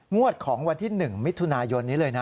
งวดของวันที่๑มิถุนายนนี้เลยนะ